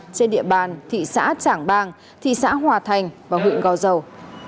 trên địa bàn thị xã trảng bàng thị xã hòa thành và huyện gò dầu